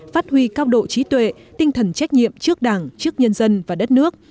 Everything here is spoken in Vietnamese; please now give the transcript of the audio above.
phát huy cao độ trí tuệ tinh thần trách nhiệm trước đảng trước nhân dân và đất nước